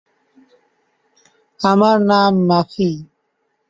সংস্থাটি বছরে একবার আন্তর্জাতিক শ্রম সম্মেলন আয়োজন করে।